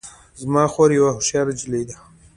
زما خور یوه هوښیاره نجلۍ ده